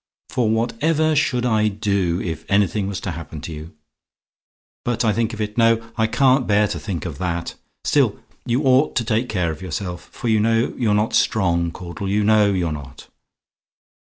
For whatever I should do, if anything was to happen to you but I think of it; no, I can't bear to think OF THAT. Still, you ought to take care of yourself; for you know you're not strong, Caudle; you know you're not.